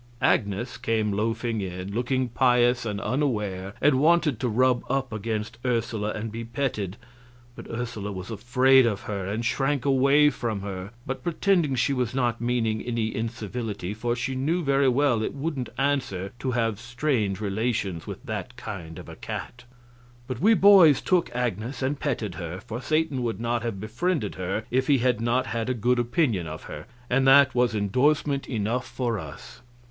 Agnes came loafing in, looking pious and unaware, and wanted to rub up against Ursula and be petted, but Ursula was afraid of her and shrank away from her, but pretending she was not meaning any incivility, for she knew very well it wouldn't answer to have strained relations with that kind of a cat. But we boys took Agnes and petted her, for Satan would not have befriended her if he had not had a good opinion of her, and that was indorsement enough for us.